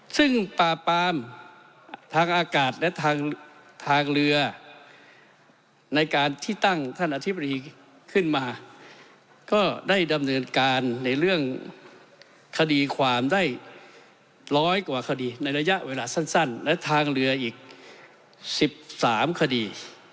ซึ่งป่าปามทางอากาศและทางเรือในการที่ตั้งท่านอธิบดีขึ้นมาก็ได้ดำเนินการในเรื่องคดีความได้ร้อยกว่าคดีในระยะเวลาสั้นและทางเรืออีก๑๓คดี